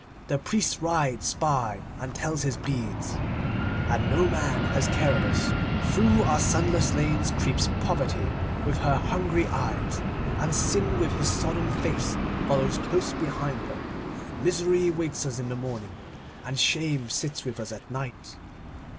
The priest rides by and tells his beads, and no man has care of us. Through our sunless lanes creeps Poverty with her hungry eyes, and Sin with his sodden face follows close behind her. Misery wakes us in the morning, and Shame sits with us at night.